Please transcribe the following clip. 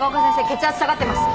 血圧下がってます。